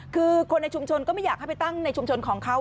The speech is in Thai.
คือคนในชุมชนก็ไม่อยากให้ไปตั้งในชุมชนของเขา